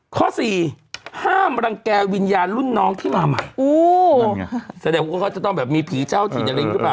ข้อสี่ห้ามรังแกวิญญาณรุ่นน้องที่มาหมายอู๋นั่นไงแสดงว่าเขาจะต้องแบบมีผีเจ้าที่ในริงหรือเปล่า